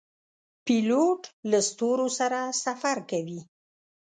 پیلوټ له ستورو سره سفر کوي.